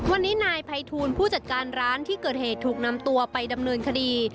วันนี้นายภัยทูลผู้จัดการร้านที่เกิดเหตุถูกนำตัวไปดำเนินคดี